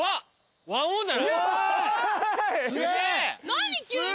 何？